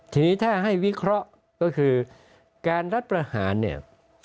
ทีนี้ถ้าให้วิเคราะห์ก็คือการรัฐประหารเนี่ย